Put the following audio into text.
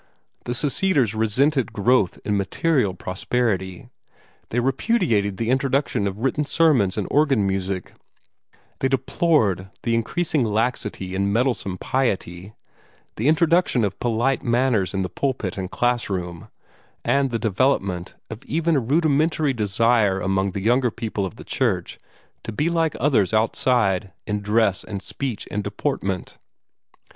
The seceders resented growth in material prosperity; they repudiated the introduction of written sermons and organ music; they deplored the increasing laxity in meddlesome piety, the introduction of polite manners in the pulpit and classroom, and the development of even a rudimentary desire among the younger people of the church to be like others outside in dress and speech and deportment.